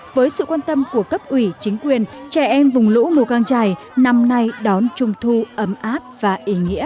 với sự quan tâm của cấp ủy chính quyền trẻ em vùng lũ mùa căng trải năm nay đón trung thu ấm áp và ý nghĩa